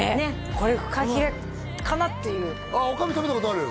これフカヒレかなっていう女将食べたことある？